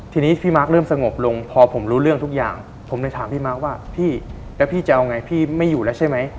ทีนี้พี่มาร์คเริ่มสงบลงพอผมรู้เรื่องทุกอย่างผมเลยถามพี่มาร์คว่าพี่แล้วพี่จะเอาไงพี่ไม่อยู่แล้วใช่ไหม